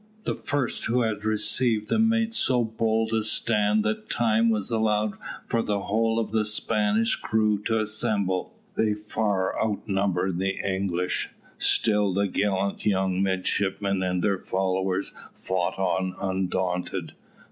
The first who had received them made so bold a stand that time was allowed for the whole of the Spanish crew to assemble. They far outnumbered the English. Still the gallant young midshipmen and their followers fought on undaunted.